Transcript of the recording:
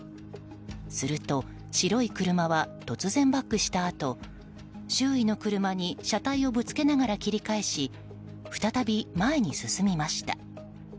すると、白い車は突然バックしたあと周囲の車に車体をぶつけながら切り替えし再び前に進みました。